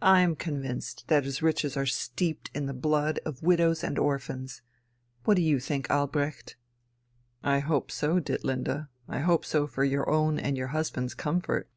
I am convinced that his riches are steeped in the blood of widows and orphans. What do you think, Albrecht?" "I hope so, Ditlinde, I hope so, for your own and your husband's comfort."